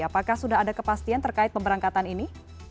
apakah sudah ada kepastian terkait pemberangkatan ini